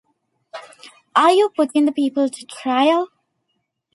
Are you putting the people to trial?